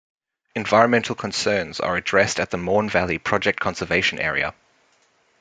Environmental concerns are addressed at the Maun Valley Project Conservation Area.